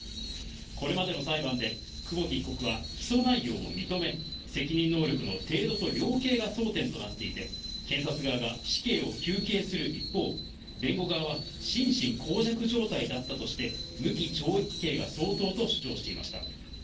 これまでの裁判で、久保木被告は起訴内容を認め、責任能力の程度と量刑が争点となっていて、検察側が死刑を求刑する一方、弁護側は心神耗弱状態だったとして、無期懲役刑が相当と主張していました。